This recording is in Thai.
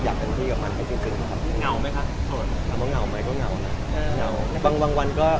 อยากเป็นที่กับเค้ามันจริงค่ะ